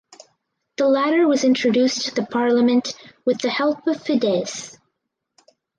The latter was introduced to the Parliament with the help of Fidesz.